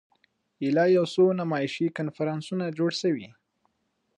ایله یو څو نمایشي کنفرانسونه جوړ شوي.